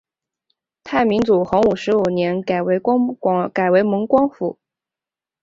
明太祖洪武十五年改为蒙光府。